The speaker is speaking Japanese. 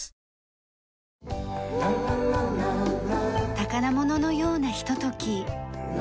宝物のようなひととき。